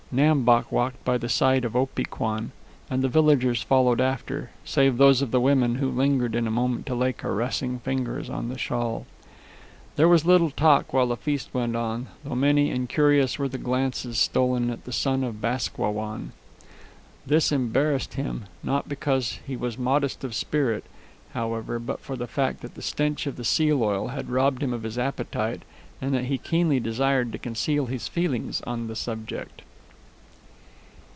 Nam Bok walked by the side of Opee Kwan, and the villagers followed after, save those of the women who lingered a moment to lay caressing fingers on the shawl. There was little talk while the feast went on, though many and curious were the glances stolen at the son of Bask Wah Wan. This embarrassed him not because he was modest of spirit, however, but for the fact that the stench of the seal oil had robbed him of his appetite, and that he keenly desired to conceal his feelings on the subject.